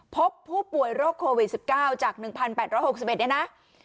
พบผู้ป่วยโรคโควิด๑๙จาก๑๘๖๑เนี่ยนะ